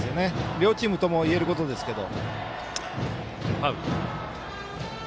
両チームともいえることですけど。